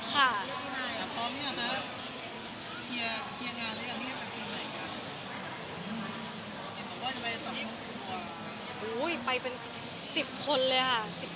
ไปเป็น๑๐คนเลยค่ะ